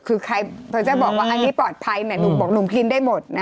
คือใครเขาจะบอกว่าอันนี้ปลอดภัยหนุ่มบอกหนุ่มกินได้หมดนะ